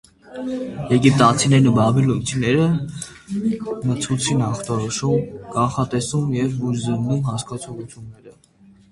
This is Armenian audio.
Եգիպտացիներն ու բաբելացիները մտցուցին ախտորոշում, կանխատեսում եւ բուժզննում հասկացողութիւնները։